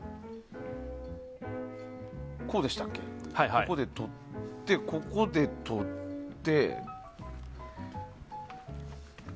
ここでとって、ここでとって。